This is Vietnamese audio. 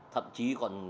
thậm chí còn